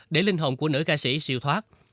để linh hồn của nữ ca sĩ siêu thoát